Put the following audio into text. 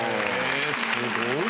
すごい。